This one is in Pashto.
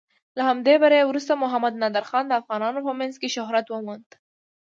له همدې بري وروسته محمد نادر خان د افغانانو په منځ کې شهرت وموند.